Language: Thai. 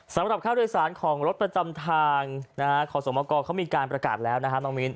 สำหรับค่าโดยสารของรถประจำทางขอสมกรเขามีการประกาศแล้วนะฮะน้องมิ้น